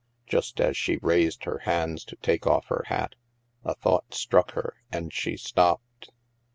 Just as she raised her hands to take off her hat, a thought struck her, and she stopped.